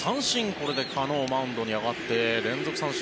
これでカノ、マウンドに上がって連続三振。